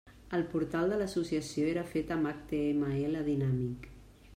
El portal de l'Associació era fet amb HTML dinàmic.